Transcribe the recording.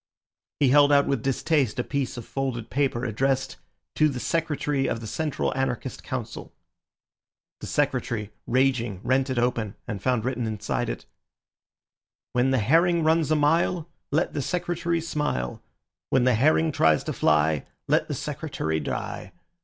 He held out with distaste a piece of folded paper, addressed: "To the Secretary of the Central Anarchist Council." The Secretary, raging, rent it open, and found written inside it:— "When the herring runs a mile, Let the Secretary smile; When the herring tries to fly, Let the Secretary die.